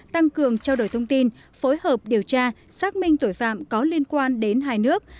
tăng cường trao đổi thông tin phối hợp điều tra xác minh tội phạm có liên quan đến hai nước